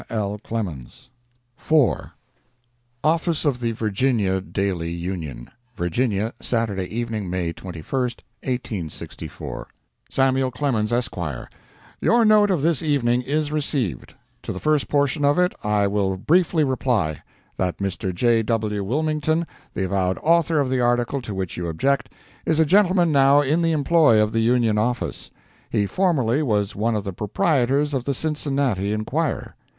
L. CLEMENS [ IV ] OFFICE OF THE VIRGINIA DAILY UNION, VIRGINIA, Saturday evening, May 21st, 1864 SAM'L. CLEMENS, ESQ:—Your note of this evening is received. To the first portion of it I will briefly reply, that Mr. J. W. Wilmington, the avowed author of the article to which you object, is a gentleman now in the employ of the Union office. He formerly was one of the proprietors of the Cincinnati Enquirer.